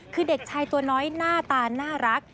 คือเด็กชายตัวน้อยหน้าตาน่ารัก